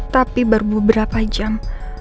tapi baru beberapa jam